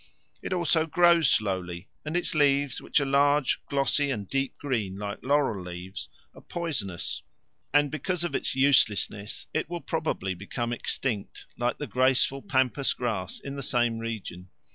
It also grows slowly, and its leaves, which are large, glossy and deep green, like laurel leaves, are poisonous; and because of its uselessness it will probably become extinct, like the graceful pampas grass in the same region.